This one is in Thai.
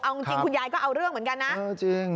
เอาจริงคุณยายก็เอาเรื่องเหมือนกันนะ